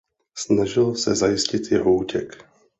Snažil se zajistit jeho útěk.